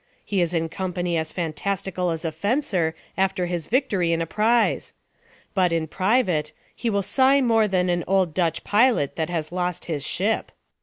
He is in company As fantastical as a fencer after His victory in a prize ; but, in private. He will sigh more than an old Dutch pilot That has lost his ship.